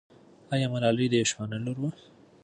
آیا ملالۍ د یوه شپانه لور وه؟